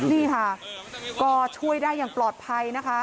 นี่ค่ะก็ช่วยได้อย่างปลอดภัยนะคะ